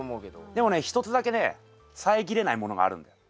でもね一つだけね遮れないものがあるんだよ。